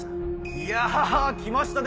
いや来ましたね